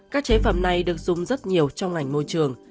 các chế phẩm này được dùng rất nhiều trong ngành môi trường